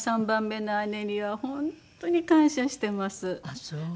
ああそう。